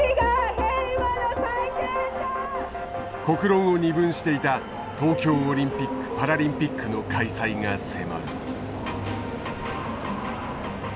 国論を二分していた東京オリンピック・パラリンピックの開催が迫る。